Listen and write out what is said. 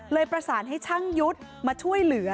ประสานให้ช่างยุทธ์มาช่วยเหลือ